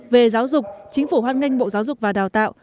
về giáo dục chính phủ hoan nghênh bộ giáo dục và đào tạo